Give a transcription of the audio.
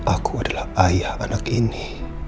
aku adalah ayah anak ini